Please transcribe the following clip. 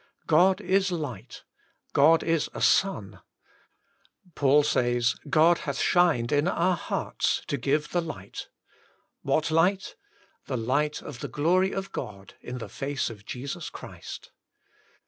God is Light God is a Sun. Paul says *God hath shined in our hearts to give the light.' Whav light? 'The light of the glory of God, in the face of Jesus Christ.'